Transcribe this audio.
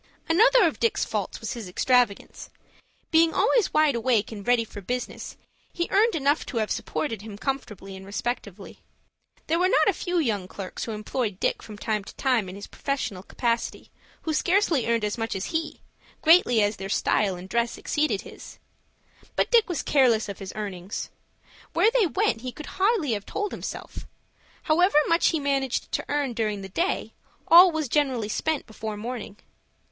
Another of Dick's faults was his extravagance. Being always wide awake and ready for business, he earned enough to have supported him comfortably and respectably. There were not a few young clerks who employed Dick from time to time in his professional capacity, who scarcely earned as much as he, greatly as their style and dress exceeded his. But Dick was careless of his earnings. Where they went he could hardly have told himself. However much he managed to earn during the day, all was generally spent before morning.